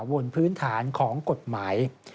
ด้วยปริธรรมกฎหมาย